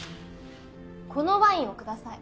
このワインをください。